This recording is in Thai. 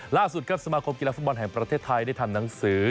ล่าสุดครับสมาคมกีฬาฟุตบอลแห่งประเทศไทยได้ทำหนังสือ